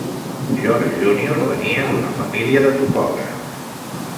George Junior venia d'una família de topògrafs.